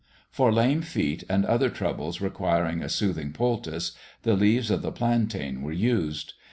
For lame feet and other troubles requiring a soothing poultice, the leaves of the plantain were used.